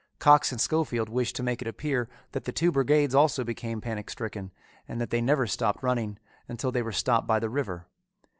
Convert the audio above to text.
Cox and Scofield wished to make it appear that the two brigades also became panic stricken and that they never stopped running until they were stopped by the river.